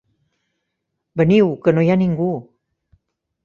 Veniu, que no hi ha ningú!